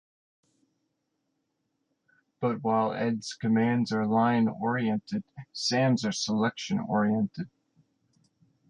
But while ed's commands are line-oriented, sam's are selection-oriented.